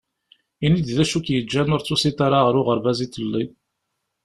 Ini-d d acu k-yeǧǧan ur d-tusiḍ ara ɣer uɣerbaz iḍelli.